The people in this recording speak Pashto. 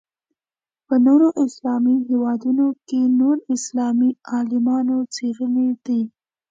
په نورو اسلامي هېوادونو کې نور اسلامي عالمانو څېړلې ده.